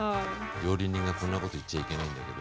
料理人がこんなこと言っちゃいけないんだけど。